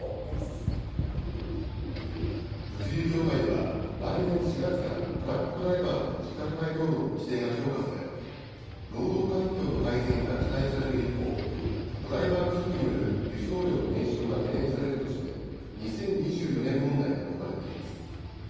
物流業界では、来年４月から、トラックドライバーの時間外労働の規制が強化され、労働環境の改善が期待される一方、ドライバー不足による輸送量の減少が懸念されるとして、２０２４年問題と呼ばれています。